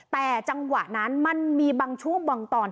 แต่จังหวะนั้นมันมีบางช่วงบางตอน